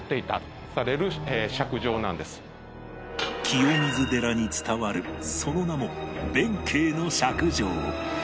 清水寺に伝わるその名も弁慶の錫杖